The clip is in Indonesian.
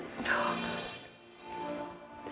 ia mantan bread